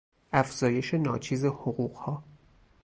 افزایش ناچیز حقوقها